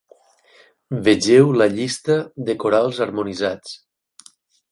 Vegeu la llista de corals harmonitzats.